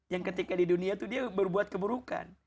yang ketika di dunia itu dia berbuat keburukan